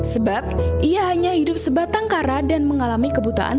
sebab ia hanya hidup sebatang kara dan mengalami kebutaan